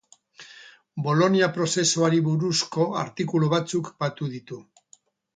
Bolonia prozesuari buruzko artikulu batzuk batu ditu.